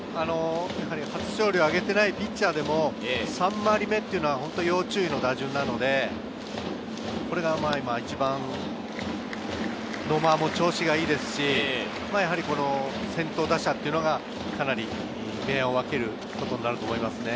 初勝利を挙げていないピッチャーでも３回り目は要注意の打順なので、野間も調子がいいですし、先頭打者はかなり明暗を分けることになると思いますね。